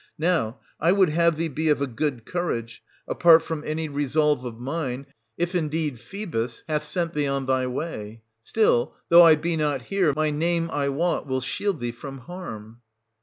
Now I would have thee be of a good courage, apart from any resolve 86 SOPHOCLES. [665—703 of mine, if indeed Phoebus hath sent thee on thy way ; still, though I be not here, my name, I wot, will shield thee from harm.